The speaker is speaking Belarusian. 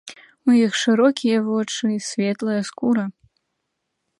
У іх шырокія вочы, светлая скура.